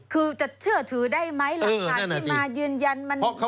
คือจะเชื่อถือได้ไหมหลักฐานที่มายืนยัน